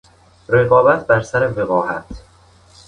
رقابت بر سر وقاحت